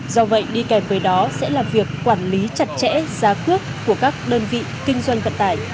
do vậy đi kèm với đó sẽ là việc quản lý chặt chẽ giá cước của các đơn vị kinh doanh vận tải